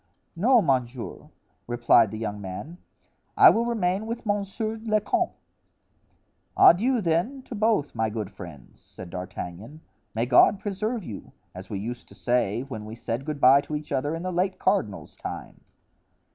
"No, monsieur," replied the young man; "I will remain with monsieur le comte." "Adieu, then, to both, my good friends," said D'Artagnan; "may God preserve you! as we used to say when we said good bye to each other in the late cardinal's time."